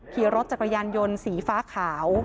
ขี่รถจักรยานยนต์สีฟ้าขาว